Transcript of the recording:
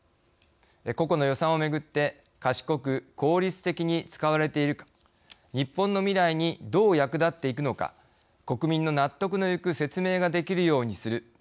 個々の予算をめぐって賢く効率的に使われているか日本の未来にどう役立っていくのか国民の納得のいく説明ができるようにする。